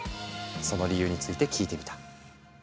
その理由について聞いてみた。